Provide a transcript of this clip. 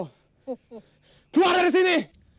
keluar dari sini